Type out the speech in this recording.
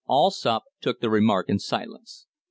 Allsopp took the remark in silence.